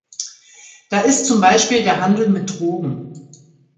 Da ist zum Beispiel der Handel mit Drogen.